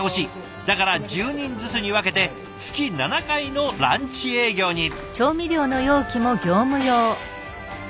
だから１０人ずつに分けて月７回のランチ営業に。ね？